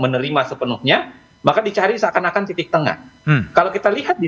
menerima sepenuhnya maka dicari seakan akan titik tengah kalau kita lihat di